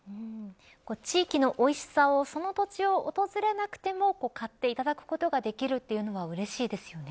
地域のおいしさをその土地を訪れなくても買っていただくことができるのはうれしいですよね。